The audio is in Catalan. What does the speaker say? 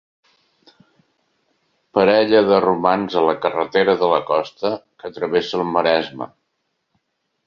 Parella de romans a la carretera de la costa que travessa el Maresme.